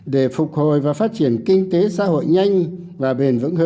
để phục hồi và phát triển kinh tế xã hội nhanh và bền vững hơn